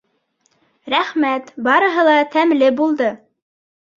Рәхмәт, барыһы ла тәмле булды!